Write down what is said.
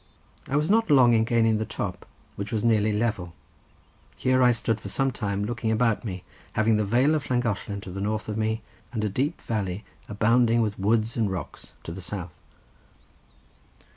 I was not long in gaining the top, which was nearly level. Here I stood for some time looking about me, having the vale of Llangollen to the north of me, and a deep valley abounding with woods and rocks to the south.